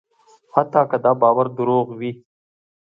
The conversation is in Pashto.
حتی که دا باور دروغ وي.